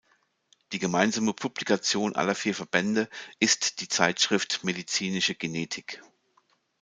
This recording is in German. Die gemeinsame Publikation aller vier Verbände ist die Zeitschrift medizinische genetik.